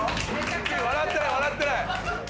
「笑ってない笑ってない！」